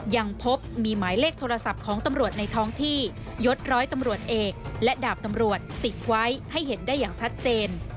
ยังพบมีหมายเลขโทรศัพท์ของตำรวจในท้องที่ยดร้อยตำรวจเอกและดาบตำรวจติดไว้ให้เห็นได้อย่างชัดเจน